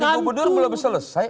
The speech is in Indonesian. dari ibu bedura belum selesai